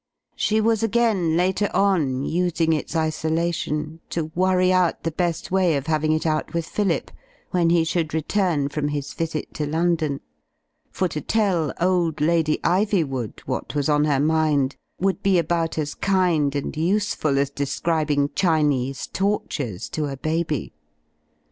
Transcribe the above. She was again, later on, using its isolation to worry out the best way of having it out with Phillip, when he should return from his visit to London ; for to tell old Lady Ivjrwood what was on her mind would be about as kind and useful as describing Chin ese tortures to a baby.